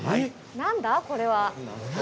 何だこれは？